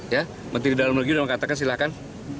ya menteri dalam negeri sudah mengatakan silahkan